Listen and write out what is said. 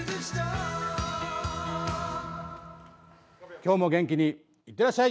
今日も元気に、いってらっしゃい！